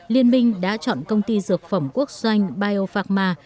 liên minh đã chọn công ty dược phẩm quốc doanh biopharma